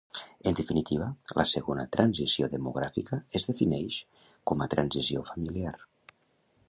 En definitiva, la segona transició demogràfica es defineix com a transició familiar.